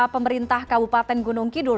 pemerintah kabupaten gunung kidul